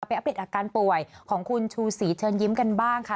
อัปเดตอาการป่วยของคุณชูศรีเชิญยิ้มกันบ้างค่ะ